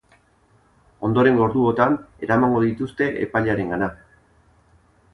Ondorengo orduotan eramango dituzte epailearengana.